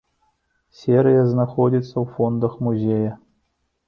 Серыя знаходзіцца ў фондах музея.